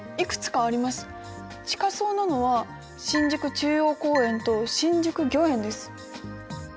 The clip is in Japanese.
近そうなのは新宿中央公園と新宿御苑です。